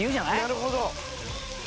なるほど。